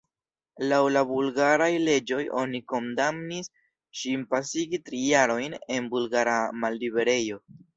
Laŭ la bulgaraj leĝoj oni kondamnis ŝin pasigi tri jarojn en bulgara malliberejo.